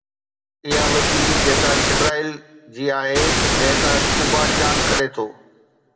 اها مٽي جيڪا جبرائيل جي آهي جنهن سان قبا چاڪ ڪري ٿو